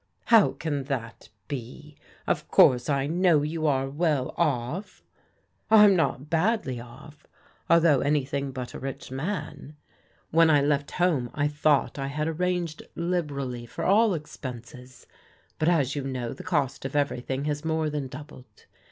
"" How can that be? Of course I know you are well oflf." " I'm not badly off, although an)rthing but a ricji man. When I left home I thought I had arranged liberally for all expenses, but as you know the cost of everything has more than doubled.